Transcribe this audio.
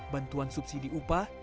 bantuan subsidi upah